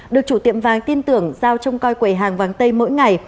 được chủ tiệm vàng tin tưởng giao trong coi quầy hàng vàng tây mỗi ngày